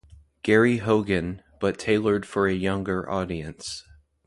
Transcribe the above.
Gary Hogan, but tailored for a younger audience.